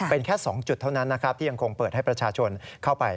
เป็นแค่๒จุดเท่านั้นนะครับที่ยังคงเปิดให้ประชาชนเข้าไป